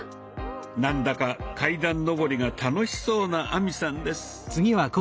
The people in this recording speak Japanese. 何だか階段上りが楽しそうな亜美さんです。